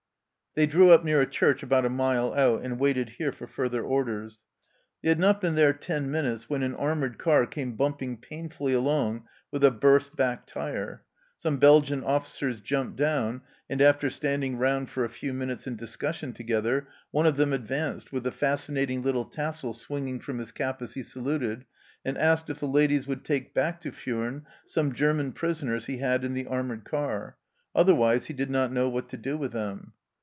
They drew up near a church about a mile out, and waited here for further orders ; they had not been there ten minutes when an armoured car came bumping painfully along with a burst back tyre. Some Belgian officers jumped down, and after standing round for a few minutes in discussion together, one of them advanced, with the fascinat ing little tassel swinging from his cap as he saluted, and asked if the ladies would take back to Furnes some German prisoners he had in the armoured car, otherwise he did not know what to do with them.